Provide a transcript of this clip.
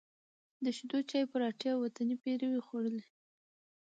د شېدو چای، پراټې او وطني پېروی خوړلی،